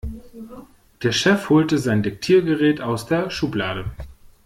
Der Chef holte sein Diktiergerät aus der Schublade.